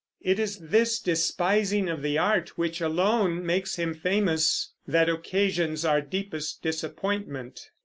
It is this despising of the art which alone makes him famous that occasions our deepest disappointment.